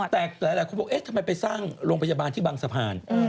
แต่หลายคนบอกเอ๊ะทำไมไปสร้างโรงพยาบาลที่บางสะพาน